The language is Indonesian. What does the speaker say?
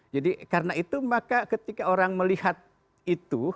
jadi karena itu maka ketika orang melihat itu